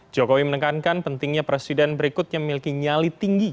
jokowi menekankan pentingnya presiden berikutnya memiliki nyali tinggi